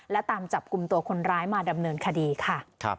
และตามจับกลุ่มตัวคนร้ายมาดำเนินคดีค่ะ